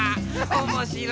おもしろい！